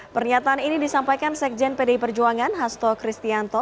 pernyataan ini disampaikan sekjen pdi perjuangan hasto kristianto